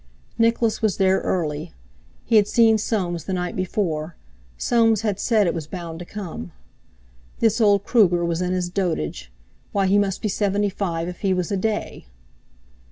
Nicholas was there early. He had seen Soames the night before—Soames had said it was bound to come. This old Kruger was in his dotage—why, he must be seventy five if he was a day!